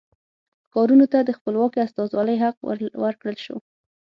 ښارونو ته د خپلواکې استازولۍ حق ورکړل شو.